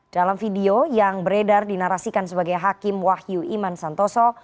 dalam video yang beredar dinarasikan sebagai hakim wahyu iman santoso